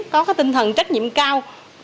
có tinh thần trách nhiệm cao